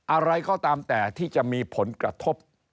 อะไรก็ตามแต่ที่จะมีผลกระทบ